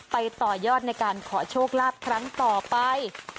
ต่อยอดในการขอโชคลาภครั้งต่อไป